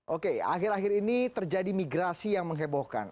oke akhir akhir ini terjadi migrasi yang menghebohkan